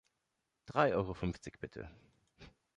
Drei Euro Fünfzig bitte.